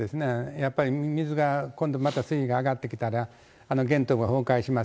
やっぱり水が今度また水位が上がってきたら、が崩壊します。